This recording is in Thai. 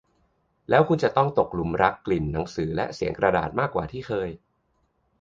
แล้วคุณอาจต้องตกหลุมรักกลิ่นหนังสือและเสียงกระดาษมากกว่าที่เคย